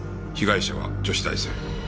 被害者は女子大生。